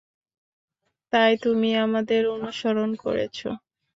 তাই তুমি আমাদের অনুসরণ করেছ?